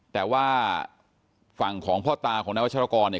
แต่ว่าฝั่งของพ่อตาของนายวัชรกรเนี่ย